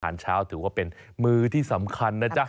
เช้าถือว่าเป็นมือที่สำคัญนะจ๊ะ